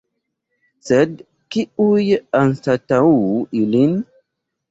Sed kiuj anstataŭu ilin?